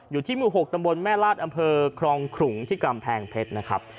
อยู่ที่หมู่๖ตำบลแม่ลาดอำเภอครองขลุงที่กำแพงเพชรนะครับ